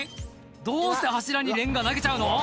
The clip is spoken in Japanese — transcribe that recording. どうして柱にレンガ投げちゃうの？